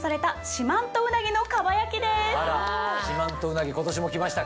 四万十うなぎ今年も来ましたか。